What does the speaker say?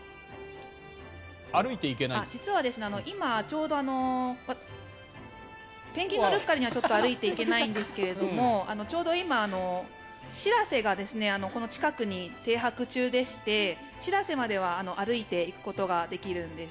実は今ちょうどペンギンのルッカリーには歩いて行けないんですがちょうど今、「しらせ」がこの近くに停泊中でして「しらせ」までは歩いていくことができるんです。